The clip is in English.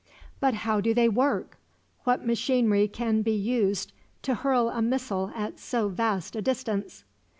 "But how do they work? What machinery can be used to hurl a missile at so vast a distance?"